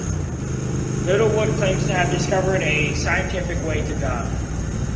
Littlewood claims to have discovered a scientific way to God.